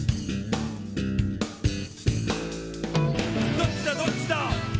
「どっちだどっちだ」